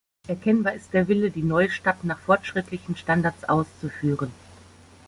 Erkennbar ist der Wille, die neue Stadt nach fortschrittlichen Standards auszuführen.